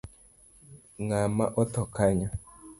Ngama otho kanyo?